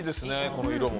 この色も。